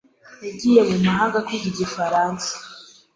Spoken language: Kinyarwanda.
yagiye mu mahanga kwiga igifaransa.